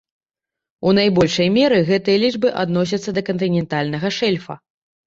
У найбольшай меры гэтыя лічбы адносяцца да кантынентальнага шэльфа.